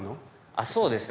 あっそうですね。